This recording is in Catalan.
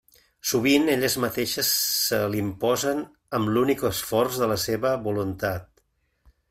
Sovint elles mateixes se l'imposen amb l'únic esforç de la seva voluntat.